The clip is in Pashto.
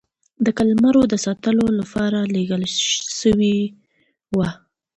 د قلمرو د ساتلو لپاره لېږل سوي وه.